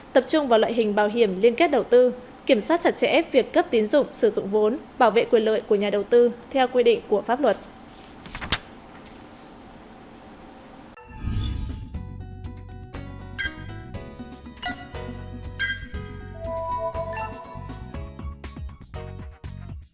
tập trung vào loại hình bảo hiểm liên kết đầu tư kiểm soát chặt chẽ việc cấp tín dụng sử dụng vốn bảo vệ quyền lợi của nhà đầu tư theo quy định của pháp luật